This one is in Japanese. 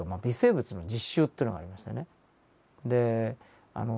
微生物の実習というのがありましてね。